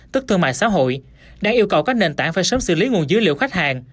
tức thương mại xã hội đang yêu cầu các nền tảng phải sớm xử lý nguồn dữ liệu khách hàng